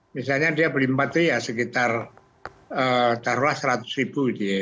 misalnya dia beli empat itu ya sekitar taruhlah seratus ribu gitu ya